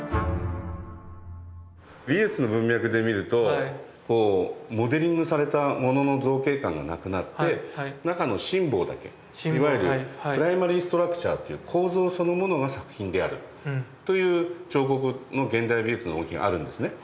美術の文脈で見るとこうモデリングされた物の造形感がなくなって中の心棒だけいわゆるプライマリー・ストラクチャーっていう構造そのものが作品であるという彫刻の現代美術の動きがあるんですね。